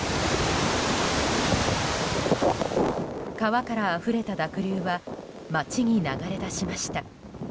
川からあふれた濁流は街に流れ出しました。